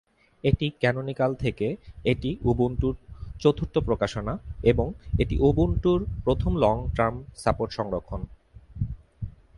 এটি ক্যানোনিকাল থেকে এটি উবুন্টুর চতুর্থ প্রকাশনা এবং এটি উবুন্টুর প্রথম লং টার্ম সাপোর্ট সংস্করণ।